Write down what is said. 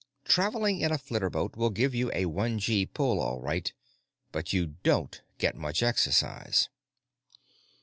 Traveling in a flitterboat will give you a one gee pull, all right, but you don't get much exercise.